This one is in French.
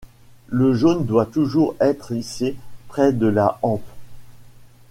Le jaune doit toujours être hissé près de la hampe.